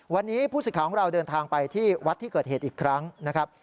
วันนี้ผู้สิทธิ์ของเราเดินทางไปที่วัดที่เกิดเหตุอีกครั้งนะครับ